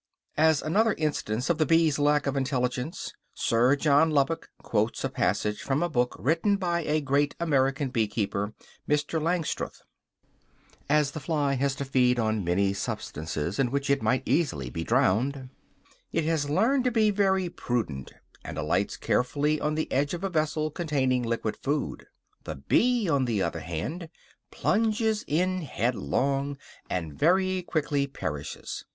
As another instance of the bees' lack of intelligence, Sir John Lubbock quotes a passage from a book written by a great American bee keeper, Mr. Langstroth: "As the fly has to feed on many substances in which it might easily be drowned, it has learned to be very prudent, and alights carefully on the edge of a vessel containing liquid food; the bee, on the other hand, plunges in headlong, and very quickly perishes.